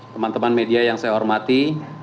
teman teman media yang saya hormati